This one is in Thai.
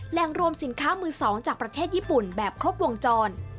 แหล่งรวมสินค้ามือ๒จากประเทศญี่ปุ่นแบบครบวงจร